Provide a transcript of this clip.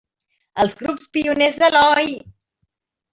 Els grups pioners de l'Oi!